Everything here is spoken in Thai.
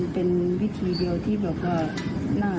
เป็นวิธีเดียวที่เหนื่องน่าจะดูได้